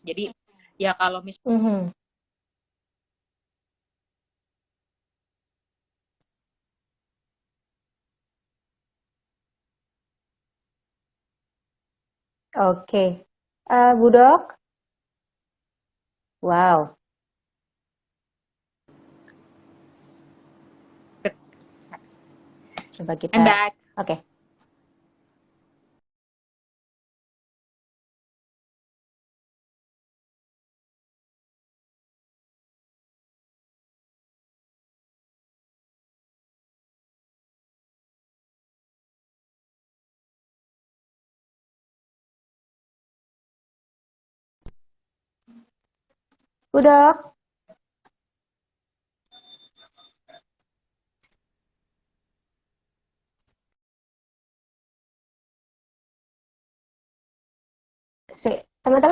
jadi ya kalau misalnya